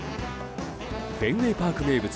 フェンウェイパーク名物